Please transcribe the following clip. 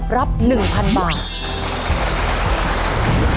รับ๑๐๐๐บาท